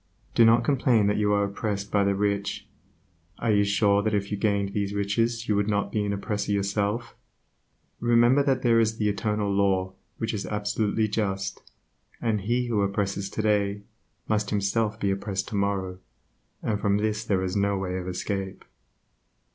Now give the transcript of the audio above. Do not complain that you are oppressed by the rich. Are you sure that if you gained riches you would not be an oppressor yourself? Remember that there is the Eternal Law which is absolutely just, and that he who oppresses today must himself be oppressed tomorrow; and from this there is no way of escape.